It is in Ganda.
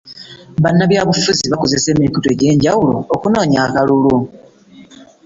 Bannabyabufuzi bakozesa emikutu egy'enjawulo okunoonya akalulu.